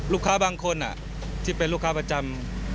ลูกค้าบางคนที่เป็นลูกค้าประจำ